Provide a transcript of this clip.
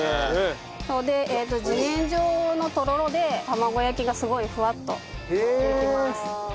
で自然薯のとろろで玉子焼きがすごいふわっとできます。